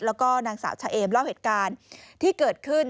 แล้วก็นางสาวชะเอมเล่าเหตุการณ์ที่เกิดขึ้น